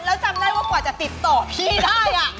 แล้วจำได้ว่ากว่าจะติดต่อพี่ได้